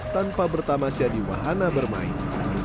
tanpa bertamas jadi wahana bermain